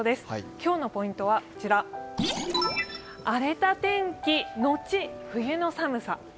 今日のポイントはこちら、荒れた天気のち冬の寒さ。